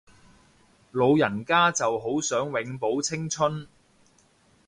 老人家就好想永葆青春